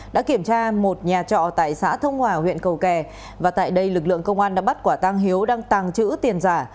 đã kiểm tra một nhà trọ tại xã thông hòa huyện cầu kè và tại đây lực lượng công an đã bắt quả tang hiếu đang tàng trữ tiền giả